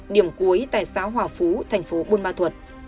điểm cuối tại xá hỏa phú thành phố buôn ma thuật